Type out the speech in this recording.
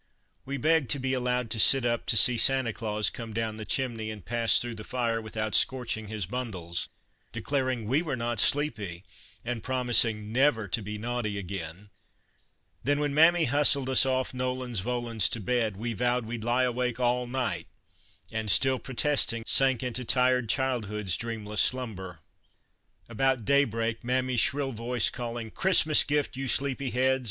We begged to be allowed to sit up to see Sancta Claus come down the chimney and pass through the fire without scorching his bundles, declaring we were not sleepy and promising never to be naughty again ; then when Mammy hustled us off nolens volens to bed, we vowed we 'd lie awake all night, and, still protesting, sank into tired childhood's dreamless slumber. About daybreak Mammy's shrill voice calling " Christmas gift, you sleepy heads